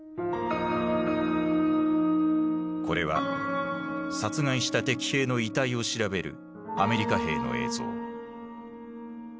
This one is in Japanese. これは殺害した敵兵の遺体を調べるアメリカ兵の映像。